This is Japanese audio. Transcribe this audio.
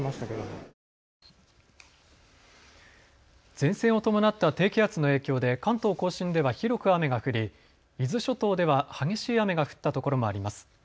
前線を伴った低気圧の影響で関東甲信では広く雨が降り伊豆諸島では激しい雨が降ったところもあります。